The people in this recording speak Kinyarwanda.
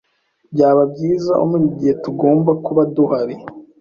Byaba byiza umenye igihe tugomba kuba duhari.